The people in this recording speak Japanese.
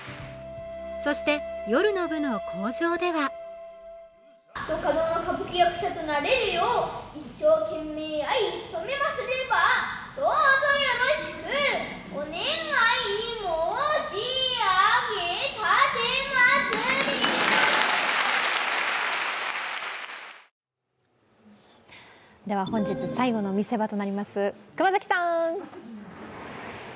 そして、夜の部の口上では本日最後の見せ場となります、熊崎さん！